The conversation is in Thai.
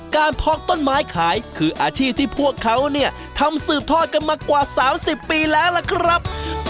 เพาะต้นไม้ขายคืออาชีพที่พวกเขาเนี่ยทำสืบทอดกันมากว่า๓๐ปีแล้วล่ะครับ